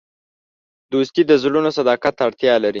دوستي د زړونو صداقت ته اړتیا لري.